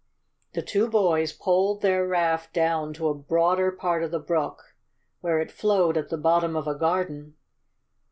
The two boys poled their raft down to a broader part of the brook, where it flowed at the bottom of a garden.